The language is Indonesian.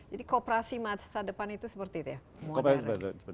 jadi kooperasi masa depan itu seperti itu ya